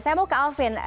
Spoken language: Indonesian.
saya mau ke alvin